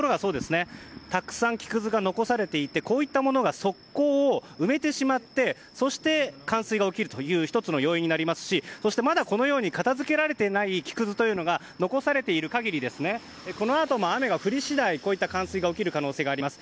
たくさん木くずが残されていてこういったものが側溝を埋めてしまってそして冠水が起きるという１つの要因になりますしまだ片づけられていない木くずが残されている限りこのあとも雨が降り次第こういった冠水が起きる可能性があります。